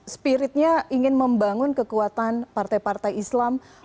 spiritnya ingin membangun kekuatan partai partai islam